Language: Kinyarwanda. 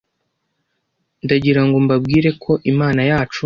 Ndagirango mbabwire ko Imana yacu